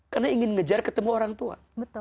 karena ingin mengejar ketemu orang tua